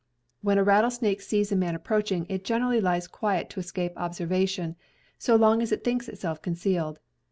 When a rattlesnake sees a man approaching, it generally lies quiet to escape observation, so long as it thinks itself concealed.